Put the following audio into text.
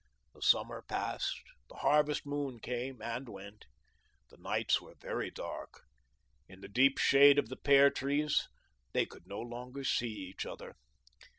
The summer passed, the harvest moon came and went. The nights were very dark. In the deep shade of the pear trees they could no longer see each other.